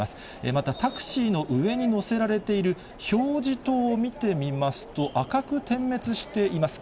また、タクシーの上に載せられている表示灯を見てみますと、赤く点滅しています。